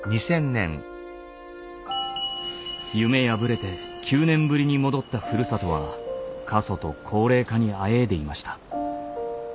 夢破れて９年ぶりに戻ったふるさとは過疎と高齢化にあえいでいました。